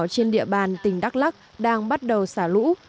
trên địa bàn tỉnh đắk lắc đang bắt đầu xả lũ